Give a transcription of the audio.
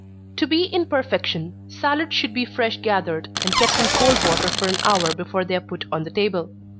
_ To be in perfection, salads should be fresh gathered, and kept in cold water for an hour before they are put on the table.